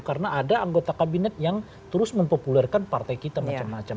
karena ada anggota kabinet yang terus mempopularkan partai kita macam macam